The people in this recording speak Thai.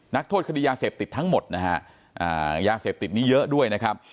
นักโทษคดียาเสพติดทั้งหมดยากเสพติดนี่เยอะด้วย